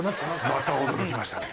また驚きましたね。